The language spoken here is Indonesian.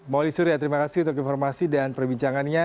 mauli surya terima kasih untuk informasi dan perbincangannya